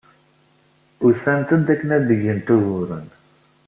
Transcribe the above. Usant-d akken ad d-gent uguren.